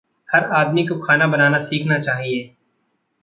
हर आदमी को खाना बनाना सीखना चाहिए।